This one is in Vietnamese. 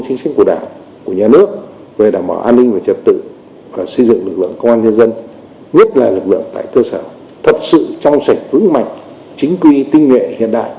chính sách của đảng của nhà nước về đảm bảo an ninh và trật tự và xây dựng lực lượng công an nhân dân nhất là lực lượng tại cơ sở thật sự trong sạch vững mạnh chính quy tinh nguyện hiện đại